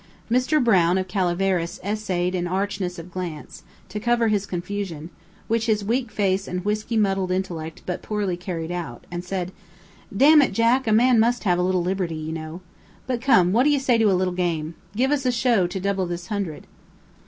Mr. Brown of Calaveras essayed an archness of glance, to cover his confusion, which his weak face and whisky muddled intellect but poorly carried out, and said: "Damn it, Jack, a man must have a little liberty, you know. But come, what do you say to a little game? Give us a show to double this hundred."